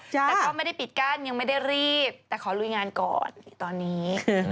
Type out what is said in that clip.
แต่ก็ไม่ได้ปิดกั้นยังไม่ได้รีบแต่ขอลุยงานก่อนตอนนี้